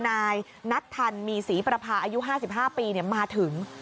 นายนัทธันมีศรีประพาอายุ๕๕ปีมาถึง